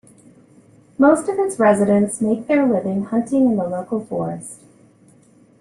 Most of its residents make their living hunting in the local forest.